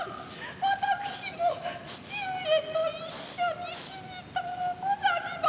私も父上と一緒に死にとうござりまする。